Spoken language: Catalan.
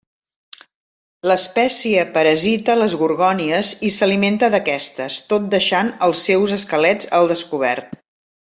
L'espècie parasita les gorgònies i s'alimenta d'aquestes, tot deixant els seus esquelets al descobert.